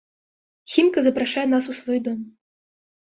Хімка запрашае нас у свой дом.